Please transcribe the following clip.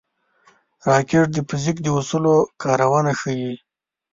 راکټ د فزیک د اصولو کارونه ښيي